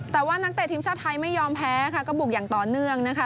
แต่ว่านักเตะทีมชาติไทยไม่ยอมแพ้ค่ะก็บุกอย่างต่อเนื่องนะคะ